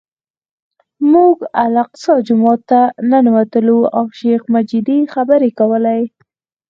موږ الاقصی جومات ته ننوتلو او شیخ مجید خبرې کولې.